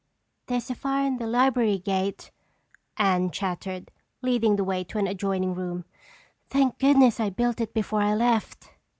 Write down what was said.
"There's a fire in the library grate," Anne chattered, leading the way to an adjoining room. "Thank goodness I built it before I left."